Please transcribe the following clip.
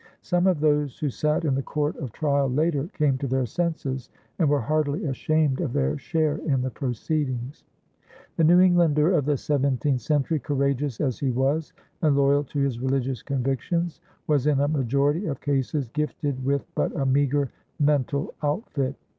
Some of those who sat in the court of trial later came to their senses and were heartily ashamed of their share in the proceedings. The New Englander of the seventeenth century, courageous as he was and loyal to his religious convictions, was in a majority of cases gifted with but a meager mental outfit.